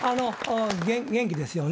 元気ですよね。